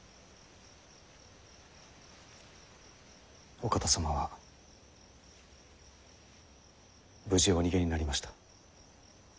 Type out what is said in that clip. お方様は無事お逃げになりました。